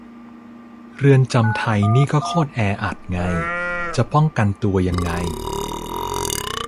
เรือนจำไทยนี่ก็โคตรแออัดไง จะป้องกันตัวยังไง